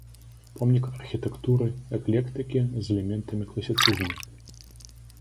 Помнік архітэктуры эклектыкі з элементамі класіцызму.